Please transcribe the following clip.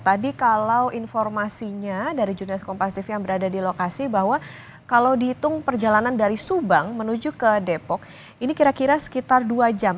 tadi kalau informasinya dari junas kompaktif yang berada di lokasi bahwa kalau dihitung perjalanan dari subang menuju ke depok ini kira kira sekitar dua jam